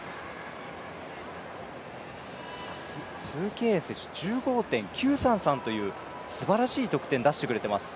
鄒敬園選手、１５．９３３というすばらしい得点出してくれています。